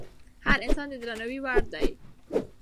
هر انسان د درناوي وړ دی.